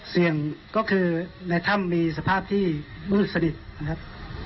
เสี่ยงก็คือในถ้ำมีสภาพที่มืดสนิทนะครับ